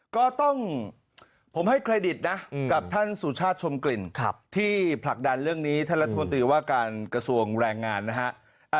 ก็ต้องผมให้เครดิตนะกับท่านสุชาติชมกลิ่นที่ผลักดันเรื่องนี้ท่านรัฐมนตรีว่าการกระทรวงแรงงานนะฮะ